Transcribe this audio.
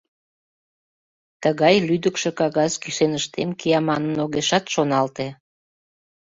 Тыгай лӱдыкшӧ кагаз кӱсеныштем кия манын, огешат шоналте.